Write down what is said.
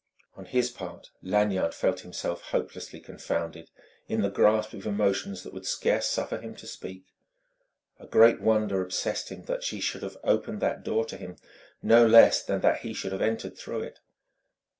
On his part, Lanyard felt himself hopelessly confounded, in the grasp of emotions that would scarce suffer him to speak. A great wonder obsessed him that she should have opened that door to him no less than that he should have entered through it.